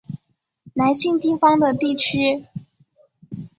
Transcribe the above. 南信地方的地区。